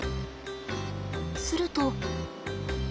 すると。